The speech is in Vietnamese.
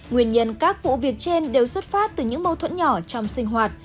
nguyên nhân các vụ việc trên đều xuất phát từ những mâu thuẫn nhỏ trong sinh hoạt